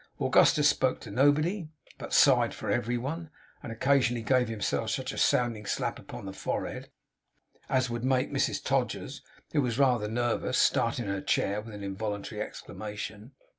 Augustus spoke to nobody, but sighed for every one, and occasionally gave himself such a sounding slap upon the forehead as would make Mrs Todgers, who was rather nervous, start in her chair with an involuntary exclamation.